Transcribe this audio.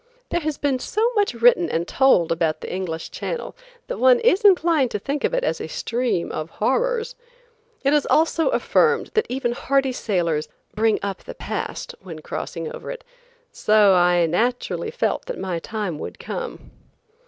There has been so much written and told about the English Channel, that one is inclined to think of it as a stream of horrors. It is also affirmed that even hardy sailors bring up the past when crossing over it, so I naturally felt that my time would come.